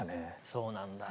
そうなんだ。